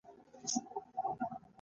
ښه نیت د باور بنسټ دی.